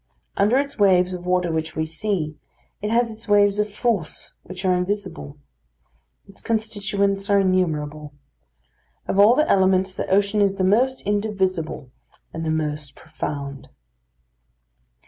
Under its waves of water which we see, it has its waves of force which are invisible. Its constituents are innumerable. Of all the elements the ocean is the most indivisible and the most profound.